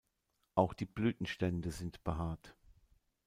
Auch die Blütenstände sind behaart.